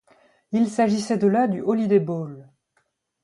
Il s'agissait de la du Holiday Bowl.